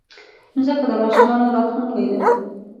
مځکه د ماشومانو راتلونکی ده.